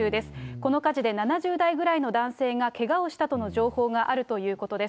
この火事で７０代ぐらいの男性がけがをしたとの情報があるということです。